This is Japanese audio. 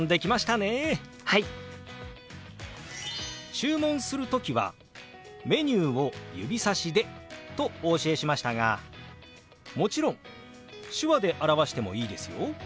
注文する時はメニューを指さしでとお教えしましたがもちろん手話で表してもいいですよ。